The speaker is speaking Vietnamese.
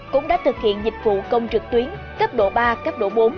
cũng đã thực hiện dịch vụ công trực tuyến cấp độ ba cấp độ bốn